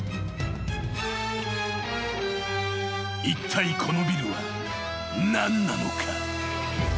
［いったいこのビルは何なのか？］